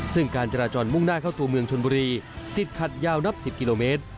ซึ่งการจราจรมุ่งหน้าเข้าตัวเมืองชนบุรีติดขัดยาวนับ๑๐กิโลเมตร